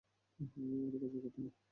এটা কাজের কথা না।